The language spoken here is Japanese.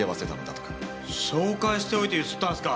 紹介しておいて強請ったんっすか？